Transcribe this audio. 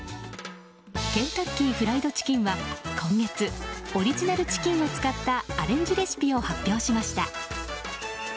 ケンタッキーフライドチキンは今月、オリジナルチキンを使ったアレンジレシピを発表しました。